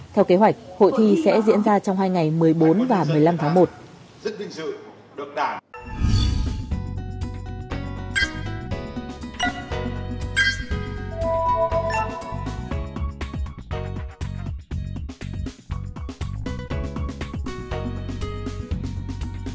theo kế hoạch hội thi sẽ diễn ra trong hai ngày một mươi bốn và một mươi năm tháng một